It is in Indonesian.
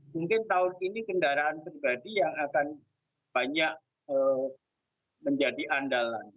mungkin tahun ini kendaraan pribadi yang akan banyak menjadi andalan